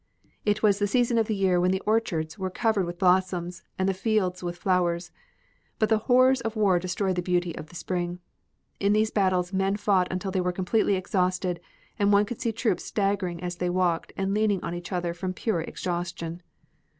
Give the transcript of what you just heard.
It was the season of the year when the orchards were covered with blossoms and the fields with flowers, but the horrors of war destroyed the beauty of the spring. In these battles men fought until they were completely exhausted and one could see troops staggering as they walked and leaning on each other from pure exhaustion.